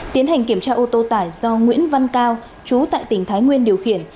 tiến hành kiểm tra ô tô tải do nguyễn văn cao chú tại tỉnh thái nguyên điều khiển